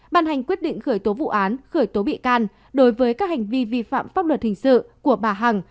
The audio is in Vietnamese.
ban hành quyết định khởi tố vụ án khởi tố bị can đối với các hành vi vi phạm pháp luật hình sự của bà hằng